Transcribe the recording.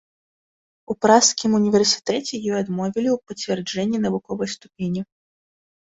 У пражскім універсітэце ёй адмовілі у пацвярджэнні навуковай ступені.